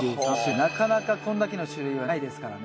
なかなかこれだけの種類はないですからね。